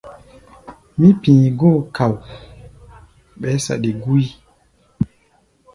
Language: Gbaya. Mí pi̧i̧ góo ka̧u̧u̧, ɓɛɛ́ saɗi gúí.